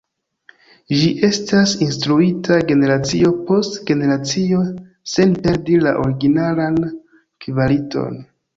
Ĝi estas instruita generacio post generacio sen perdi la originalan kvaliton.